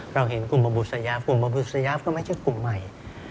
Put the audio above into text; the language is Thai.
เราเห็นกลุ่มอบบุษยากลุ่มอบบุษยาฟก็ไม่ใช่กลุ่มใหม่